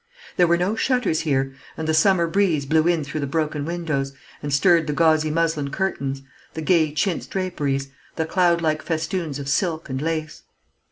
There were no shutters here, and the summer breeze blew in through the broken windows, and stirred the gauzy muslin curtains, the gay chintz draperies, the cloudlike festoons of silk and lace.